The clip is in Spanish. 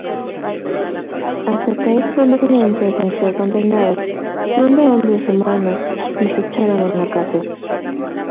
Azotados públicamente sin ser condenados, siendo hombres Romanos, nos echaron en la cárcel